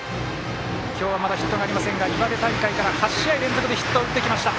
今日はまだヒットがありませんが岩手大会から８試合連続でヒットを打ってきました。